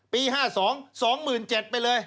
ปี๕๒๒๗๐๐๐ไปเลย